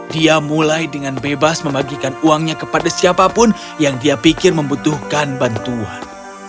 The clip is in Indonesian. dia mulai dengan bebas membagikan uangnya kepada siapapun yang dia pikir membutuhkan bantuan